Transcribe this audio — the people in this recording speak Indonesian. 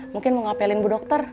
mungkin mau ngapelin bu dokter